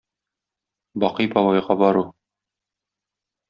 Бакый бабайга бару.